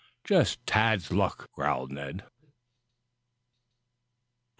"Just Tad's luck," growled Ned.